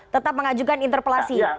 tetap mengajukan interpelasi